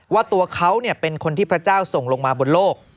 ว่าตัวเขาเป็นคนที่พระเจ้าส่งลงมาบนโลก